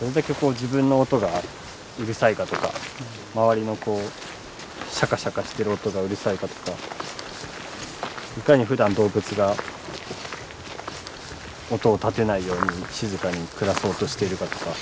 どれだけこう自分の音がうるさいかとか周りのこうシャカシャカしてる音がうるさいかとかいかにふだん動物が音を立てないように静かに暮らそうとしているかとか。